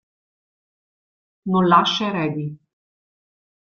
Non lascia eredi.